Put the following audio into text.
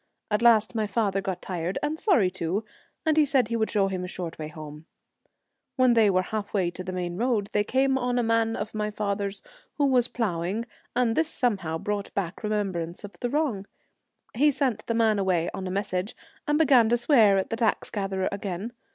At last my father got tired, and sorry too, and said he would show 5i The him a short way home. When they were Celtic Twilight, half way to the main road they came on a man of my father's who was plough ing, and this somehow brought back remembrance of the wrong. He sent the man away on a message, and began to swear at the tax gatherer again.